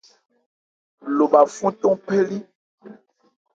Lobha fɔ́n cɔn phɛ́ lí.